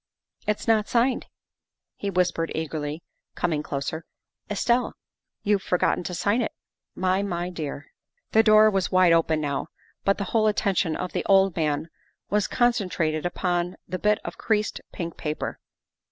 " It's not signed," he whispered eagerly, coming closer. " Estelle, you've forgotten to sign it, my my dear." The door was wide open now, but the whole attention of the old man was concentrated upon the bit of creased pink paper.